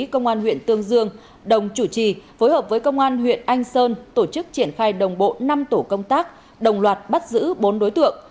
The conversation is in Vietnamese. công an huyện tương dương đồng chủ trì phối hợp với công an huyện anh sơn tổ chức triển khai đồng bộ năm tổ công tác đồng loạt bắt giữ bốn đối tượng